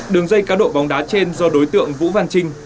đường dây cá độ bóng đá trên do đối tượng vũ văn trinh